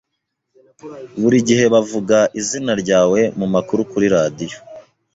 Buri gihe bavuga izina ryawe mumakuru kuri radio